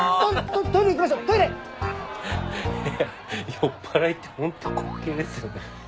酔っぱらいってホント滑稽ですよね。